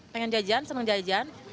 pengen jajan senang jajan